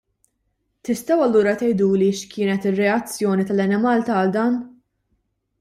Tistgħu allura tgħiduli x'kienet ir-reazzjoni tal-Enemalta għal dan?